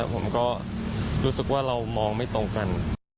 ผมก็รู้สึกว่าเรามองไม่ตรงกัน